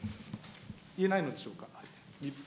言えないのでしょうか。